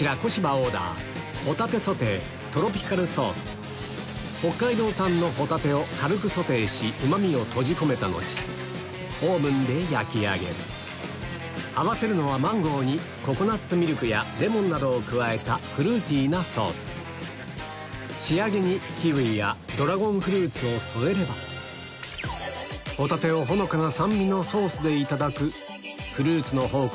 オーダー北海道産のホタテを軽くソテーしうまみを閉じ込めた後オーブンで焼き上げる合わせるのはフルーティーなソース仕上げにキウイやドラゴンフルーツを添えればホタテをほのかな酸味のソースでいただくフルーツの宝庫